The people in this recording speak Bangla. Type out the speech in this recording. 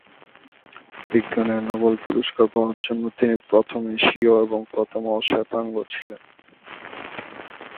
বিজ্ঞানের নোবেল পুরস্কার পাওয়ার জন্য তিনি প্রথম এশীয় এবং প্রথম অ-শ্বেতাঙ্গ ছিলেন।